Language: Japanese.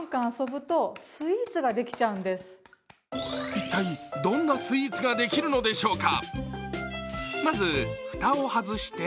一体どんなスイーツができるのでしょうか。